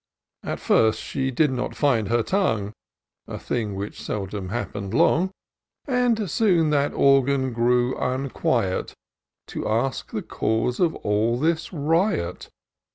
At first, she did not find her tongue, (A thing which seldom happen'd long,) But soon that organ grew unquiet. To ask the cause of all this riot.